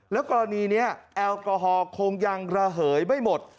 แล้วกรณีนี้แอลกอฮอลคงยังระเหยไม่หมด